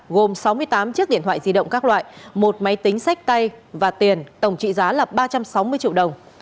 gồm sáu mươi tám chiếc điện thoại di động các loại một máy tính sách tay và tiền tổng trị giá là ba trăm sáu mươi triệu đồng